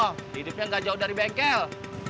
wah hidupnya gak jauh dari bengkel